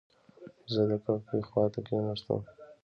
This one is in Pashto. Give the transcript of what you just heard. زه د کړکۍ خواته کېناستم.